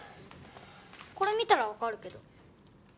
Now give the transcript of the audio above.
これ見たらわかるけど。